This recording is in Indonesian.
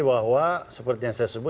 bahwa seperti yang saya sebut